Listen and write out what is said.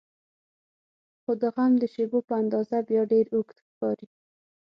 خو د غم د شیبو په اندازه بیا ډېر اوږد ښکاري.